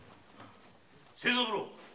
清三郎！